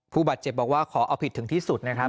ผู้บาดเจ็บบอกว่าขอเอาผิดถึงที่สุดนะครับ